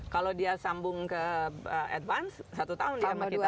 kalau dia sambung ke advance satu tahun sama kita